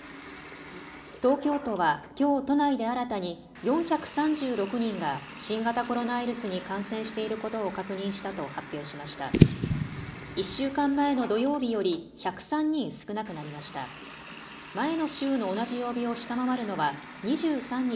東京都は、きょう都内で新たに４３６人が新型コロナウイルスに感染していることを確認したと発表しました。